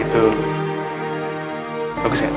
orangnya udah gak ada